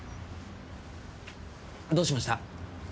どうしました？